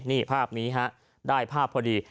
นี่ภาพนี้ฮะได้ภาพพอดี